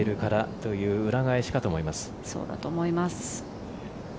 そうだと思います。